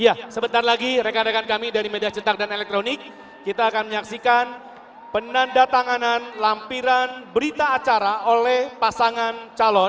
ya sebentar lagi rekan rekan kami dari media cetak dan elektronik kita akan menyaksikan penanda tanganan lampiran berita acara oleh pasangan calon